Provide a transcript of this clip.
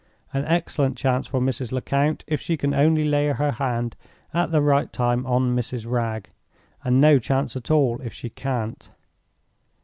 An excellent chance for Mrs. Lecount, if she can only lay her hand at the right time on Mrs. Wragge, and no chance at all, if she can't.